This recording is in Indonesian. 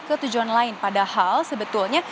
ke tujuan lain padahal sebetulnya